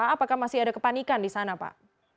apakah masih ada kepanikan di sana pak